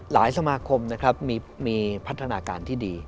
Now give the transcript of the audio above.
สมาคมนะครับมีพัฒนาการที่ดี